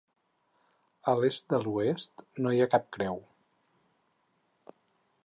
A l'est de l'oest no hi ha cap creu.